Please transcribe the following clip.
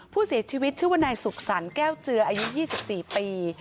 ผู้เสียชีวิตชื่อว่านายสุขสรรค์แก้วเจืออายุ๒๔ปี